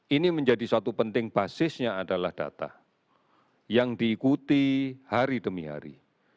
ini menjadi satu penting basisnya adalah data yang diikuti hari demi hari